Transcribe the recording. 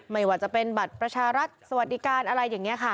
ไม่ว่าจะเป็นบัตรประชารัฐสวัสดิการอะไรอย่างนี้ค่ะ